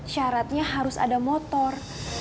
syaratnya harus ada motor